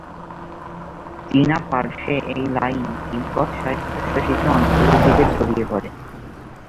চীনা পার্শ্বে এই লাইন তিব্বত স্বায়ত্তশাসিত অঞ্চলের দিকে ছড়িয়ে পড়ে।